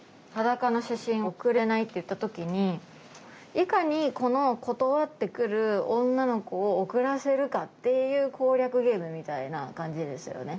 「裸の写真送れない」って言った時にいかにこの断ってくる女の子を送らせるかっていう攻略ゲームみたいな感じですよね。